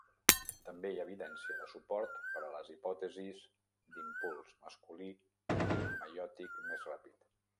També hi ha evidència de suport per a les hipòtesis d'impuls masculí i meiòtic més ràpid.